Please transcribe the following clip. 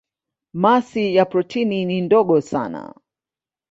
Masi ya protoni ni ndogo sana.